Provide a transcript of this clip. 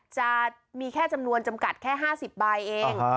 จะมีแค่จำนวนจำกัดแค่๕๐ใบเอง